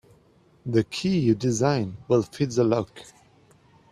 The key you designed will fit the lock.